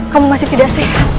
kamu masih tidak sehat